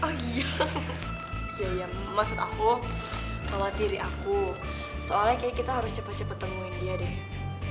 soalnya kayaknya kita harus cepet cepet temuin dia deh